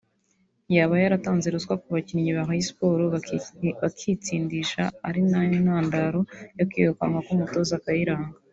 yaba yaratanze ruswa ku bakinnyi ba Rayon Sport bakitsindisha ari na yo ntandaro yo kwirukanwa k’umutoza Kayiranga